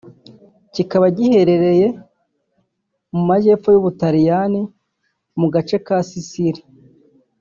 kikaba giherereye mu majyepfo y’u Butaliyani mu gace ka Sicily